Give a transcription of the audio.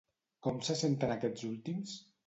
Com se senten aquests últims?